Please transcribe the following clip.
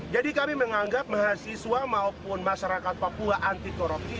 jadi kami menganggap mahasiswa maupun masyarakat papua anti korupsi